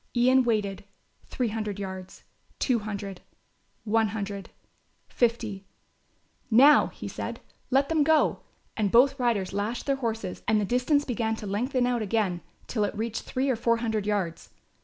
Ian waited, three hundred yards, two hundred, one hundred, fifty. "Now," he said, "let them go," and both riders lashed their horses and the distance began to lengthen out again till it reached three or four hundred yards.